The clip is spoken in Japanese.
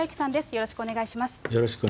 よろしくお願いします。